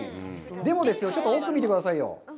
でもですよ、ちょっと奥を見てくださいよ。